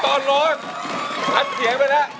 คือตอนลดอัดเสียงไปแล้ว